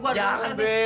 gue ada urusan be